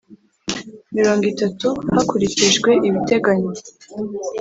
mirongo itatu hakurikijwe ibiteganywa